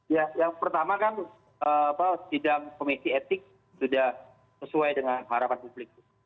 ya yang pertama kan sidang komisi etik sudah sesuai dengan harapan publik